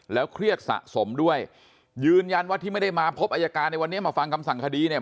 เครียดสะสมด้วยยืนยันว่าที่ไม่ได้มาพบอายการในวันนี้มาฟังคำสั่งคดีเนี่ย